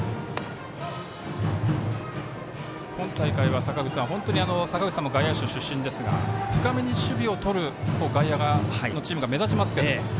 今大会は、本当に坂口さんも外野手出身ですが深めに守備をとる外野のチーム目立ちますけれども。